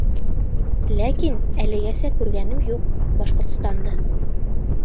Ләкин әлегәсә күргәнем юҡ Башҡортостанды...